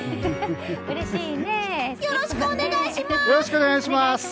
よろしくお願いします！